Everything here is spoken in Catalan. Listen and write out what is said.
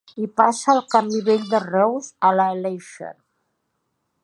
Hi passa el camí Vell de Reus a l'Aleixar.